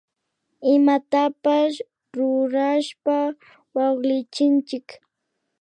Imatapash rurashpa waklichinchik